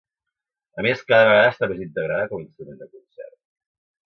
A més, cada vegada està més integrada com a instrument de concert.